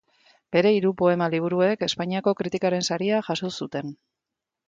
Bere hiru poema liburuek Espainiako Kritikaren Saria jaso zuten.